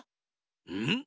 うん？